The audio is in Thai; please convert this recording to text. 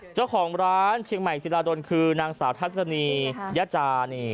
เจ้าของร้านเชียงใหม่ศิลาดลคือนางสาวทัศนียจานี่